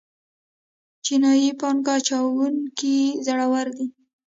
چینايي پانګه اچوونکي زړور دي.